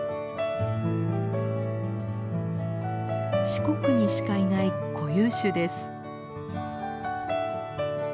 四国にしかいない固有種です。